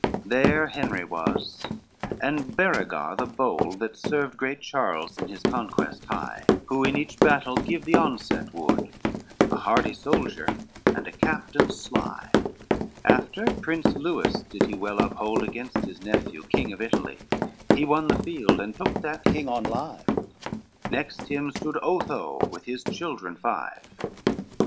LXXIV There Henry was and Berengare the bold That served great Charles in his conquest high, Who in each battle give the onset would, A hardy soldier and a captain sly; After, Prince Lewis did he well uphold Against his nephew, King of Italy, He won the field and took that king on live: Next him stood Otho with his children five.